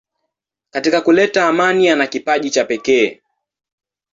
Katika kuleta amani ana kipaji cha pekee.